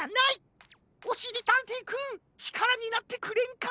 おしりたんていくんちからになってくれんか？